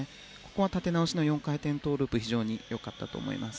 立て直しの４回転トウループ非常に良かったと思います。